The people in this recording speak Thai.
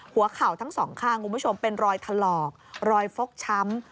หัวเข่าทั้งสองข้างคุณผู้ชมเป็นรอยถลอกรอยฟกช้ำ